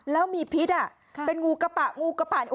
แล้วมีพิษเป็นงูกระปะ